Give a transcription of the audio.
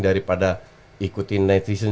daripada ikutin netizen